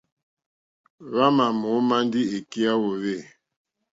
Hwámà mǒmá ndí èkí yá hwōhwê.